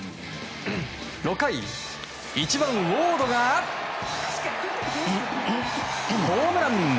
６回、１番ウォードがホームラン！